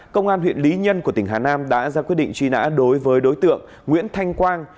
công an huyện lý nhân của tỉnh hà nam đã ra quyết định truy nã đối với đối tượng nguyễn thanh quang